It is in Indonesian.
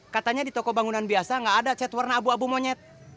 katanya di toko bangunan biasa nggak ada chat warna abu abu monyet